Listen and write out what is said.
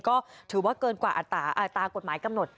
ก็ถือว่าเกินกว่าตามกฎหมายกำหนด